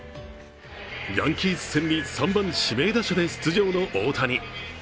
ヤンキース戦に３番指名打者で出場の大谷。